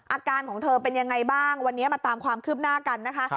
อาการของเธอเป็นยังไงบ้างวันนี้มาตามความคืบหน้ากันนะคะ